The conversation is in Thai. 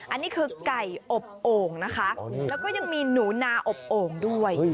อันนี้คือไก่อบโอ่งนะคะแล้วก็ยังมีหนูนาอบโอ่งด้วย